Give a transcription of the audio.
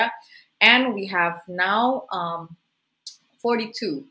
dan kami sekarang memiliki empat puluh dua